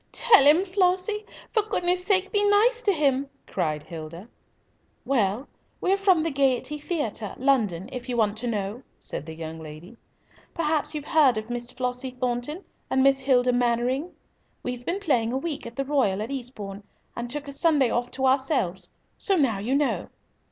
"Tell him, Flossie! For goodness' sake be nice to him!" cried Hilda. "Well, we're from the Gaiety Theatre, London, if you want to know," said the young lady. "Perhaps you've heard of Miss Flossie Thornton and Miss Hilda Mannering? We've been playing a week at the Royal at Eastbourne, and took a Sunday off to ourselves. So now you know!"